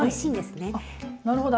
あなるほど。